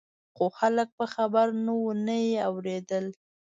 خو خلک په خبره نه وو نه یې اورېدل.